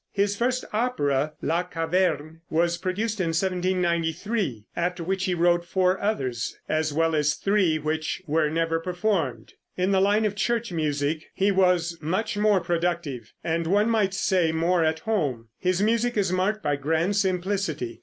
His first opera, "La Caverne," was produced in 1793, after which he wrote four others, as well as three which were never performed. In the line of church music he was much more productive, and one might say, more at home. His music is marked by grand simplicity.